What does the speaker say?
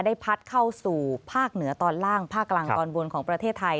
พัดเข้าสู่ภาคเหนือตอนล่างภาคกลางตอนบนของประเทศไทย